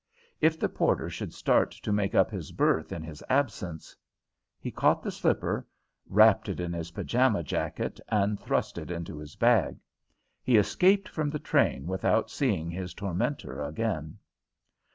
If the porter should start to make up his berth in his absence He caught the slipper, wrapped it in his pajama jacket, and thrust it into his bag. He escaped from the train without seeing his tormentor again.